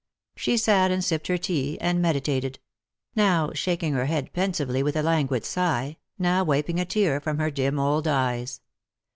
She sat and sipped her tea and meditated ; now shaking her head pensively with a languid sigh, now wiping a tear from her dim old eyes.